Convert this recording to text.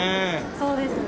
そうですね。